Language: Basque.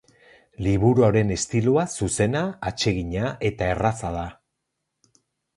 Liburuaren estiloa zuzena, atsegina eta erraza da.